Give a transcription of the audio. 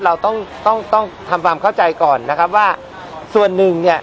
เราต้องต้องทำความเข้าใจก่อนนะครับว่าส่วนหนึ่งเนี่ย